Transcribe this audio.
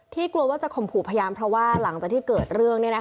กลัวว่าจะข่มขู่พยานเพราะว่าหลังจากที่เกิดเรื่อง